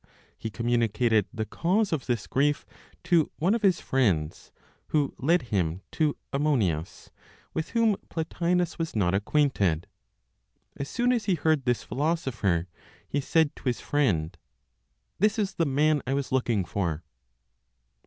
He communicated the cause of this grief to one of his friends, who led him to Ammonius, with whom Plotinos was not acquainted. As soon as he heard this philosopher, he said to his friend, "This is the man I was looking for!"